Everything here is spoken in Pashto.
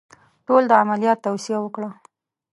ټولو د عملیات توصیه وکړه.